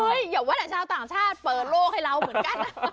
อย่าว่าแต่ชาวต่างชาติเปิดโลกให้เราเหมือนกัน